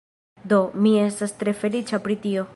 Do, mi estas tre feliĉa pri tio